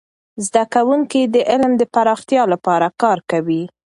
زده کوونکي د علم د پراختیا لپاره کار کوي.